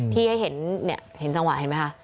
ที่ให้เห็นจังหวะเห็นไหมคะ